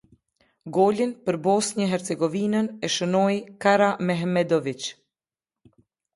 Golin për Bosnjë-Hercegovinën e shënoi Karamehmedoviq.